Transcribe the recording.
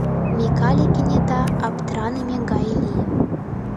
Микале кенета аптраныме гай лие.